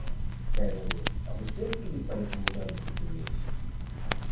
Pero, ¿a vostede que lle parece o modelo portugués?